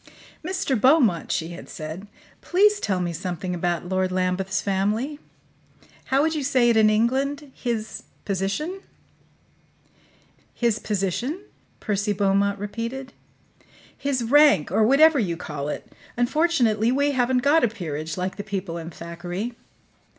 "Mr. Beaumont," she had said, "please tell me something about Lord Lambeth's family. How would you say it in England his position?" "His position?" Percy Beaumont repeated. "His rank, or whatever you call it. Unfortunately we haven't got a PEERAGE, like the people in Thackeray."